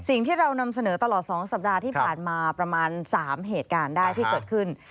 สิ่งที่เรานำเสนอตลอด๒สัปดาห์ที่ผ่านมาประมาณ๓เหตุการณ์ได้ที่เกิดขึ้น